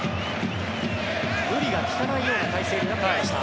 無理が利かないような体勢になっていました。